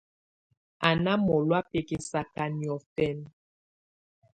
Á́ ná mɔ̀lɔá bɛkɛsaka niɔ̀fɛna.